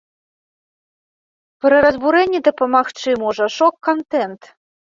Пры разбурэнні дапамагчы можа шок-кантэнт.